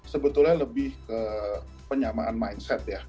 sebetulnya lebih ke penyamaan mindset ya